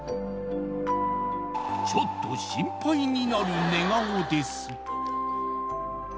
ちょっと心配になる寝顔です